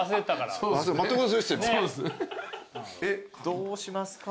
どうしますか？